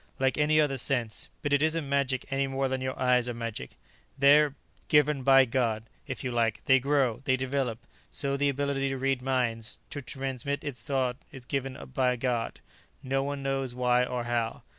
"Like any other sense. But it isn't magic any more than your eyes are magic. They're ... given by God, if you like; they grow, they develop. So the ability to read minds, to transmit thought is given by God. No one knows why or how.